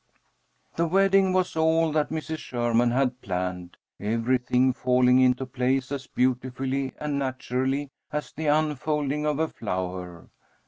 The wedding was all that Mrs. Sherman had planned, everything falling into place as beautifully and naturally as the unfolding of a flower.